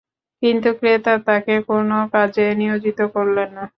কিন্তু ক্রেতা তাকে কোন কাজে নিয়োজিত করলেন না।